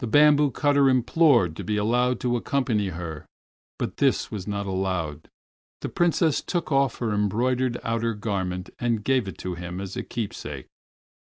The bamboo cutter implored to be allowed to accompany her, but this was not allowed. The Princess took off her embroidered outer garment and gave it to him as a keepsake.